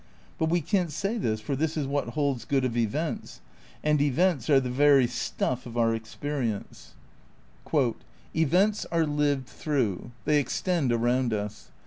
But we can't say this, for this is what holds good of events. And events are the very stuff of our experience. 114 THE NEW IDEALISM m "Events are lived through; they extend around us.